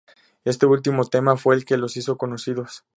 Este último tema fue el que los hizo conocidos.